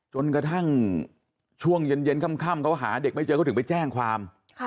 จนกระทั่งช่วงเย็นค่ำเขาหาเด็กไม่เจอเขาถึงไปแจ้งความ